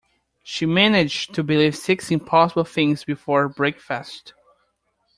She managed to believe six impossible things before breakfast